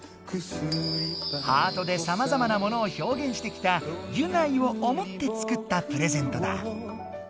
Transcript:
ハートでさまざまなものをひょうげんしてきたギュナイを思って作ったプレゼントだ。